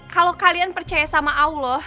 kalau kalian percaya sama allah